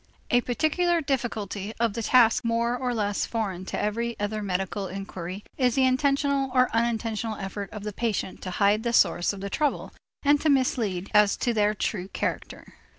A particular difficulty of the task more or less foreign to every other medical inquiry is the intentional or unintentional effort of the patient to hide the sources of the trouble and to mislead as to their true character.